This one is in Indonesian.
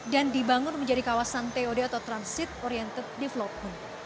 dan dibangun menjadi kawasan tod atau transit oriented development